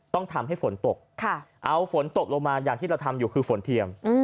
ต้องทำให้ฝนตกเอาฝนตกลงมาอย่างที่เราทำอยู่คือฝนเทียม